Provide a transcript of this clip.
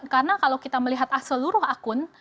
karena kalau kita melihat seluruh akun